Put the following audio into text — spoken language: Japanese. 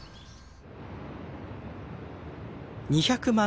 ２００万